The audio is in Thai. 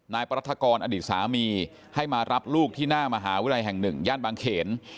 นายปรัฐกรอดีตสามีให้มารับลูกที่หน้ามหาวิทยาลัยแห่งหนึ่งย่านบางเขน